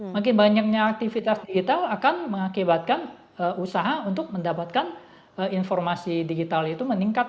makin banyaknya aktivitas digital akan mengakibatkan usaha untuk mendapatkan informasi digital itu meningkat